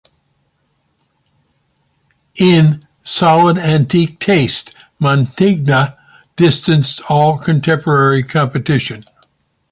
In solid antique taste, Mantegna distanced all contemporary competition.